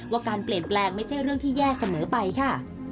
การเปลี่ยนแปลงไม่ใช่เรื่องที่แย่เสมอไปค่ะ